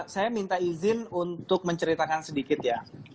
saya minta izin untuk menceritakan sedikit ya